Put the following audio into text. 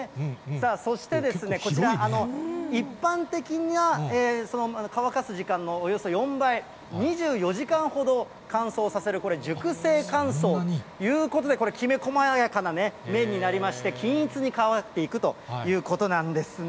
そしてですね、こちら、一般的な乾かす時間のおよそ４倍、２４時間ほど乾燥させる、これ、熟成乾燥ということで、これ、きめこまやかな麺になりまして、均一に乾いていくということなんですね。